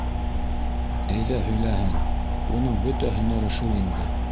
Әйҙә, һөйләһен, уның бөтә һөнәре шул инде.